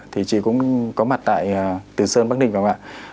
thì chị cũng có mặt tại từ sơn bắc ninh